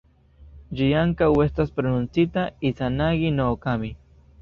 Ĝi ankaŭ estas prononcita "Izanagi-no-Okami".